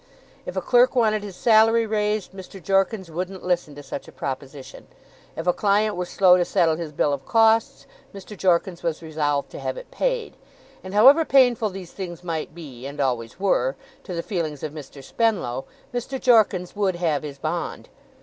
If a clerk wanted his salary raised, Mr. Jorkins wouldn't listen to such a proposition. If a client were slow to settle his bill of costs, Mr. Jorkins was resolved to have it paid; and however painful these things might be (and always were) to the feelings of Mr. Spenlow, Mr. Jorkins would have his bond.